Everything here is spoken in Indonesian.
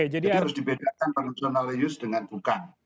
jadi harus dibedakan personal use dengan bukan